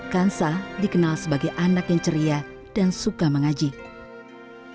kansa dikenal sebagai anak yang ceria dan suka mengaji